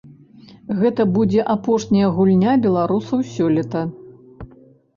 Гэта будзе апошняя гульня беларусаў сёлета.